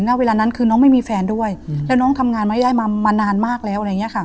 อย่างนั้นเวลานั้นคือน้องไม่มีแฟนด้วยแล้วน้องทำงานไม่ได้มามานานมากแล้ว